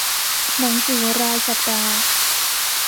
หนังสือรายสัปดาห์